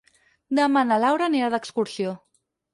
Demà na Laura anirà d'excursió.